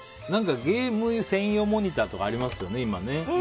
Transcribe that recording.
ゲーム専用モニターとかありますよね、今ね。